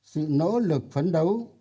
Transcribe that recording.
sự nỗ lực phấn đấu